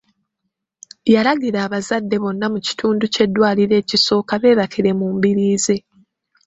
Yalagira abazadde bonna mu kitundu ky’eddwaliro ekisooka beebakire mu mbiriizi.